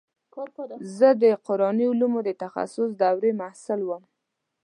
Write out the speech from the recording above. زه د قراني علومو د تخصص د دورې محصل وم.